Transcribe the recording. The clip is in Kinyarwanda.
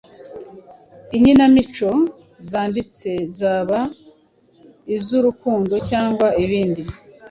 inyinamico zanditse zaba izurukundo cyangwa ibindi